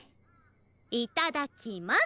いただきます！